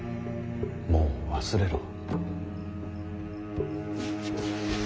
もう忘れろ。